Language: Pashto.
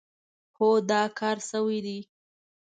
هو، دا کار شوی دی.